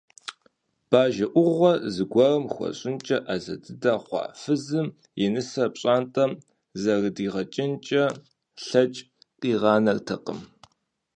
Бажэ Ӏугъуэ зыгуэрым хуэщӀынкӀэ Ӏэзэ дыдэ хъуа фызым и нысэр пщӀантӀэм зэрыдигъэкӀынкӀэ лъэкӀ къигъанэртэкъым.